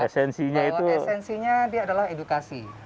bahwa esensinya dia adalah edukasi